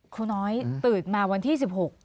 ครูน้อยตื่นมาวันที่๑๖